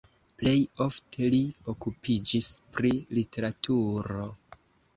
Plej ofte li okupiĝis pri literaturo.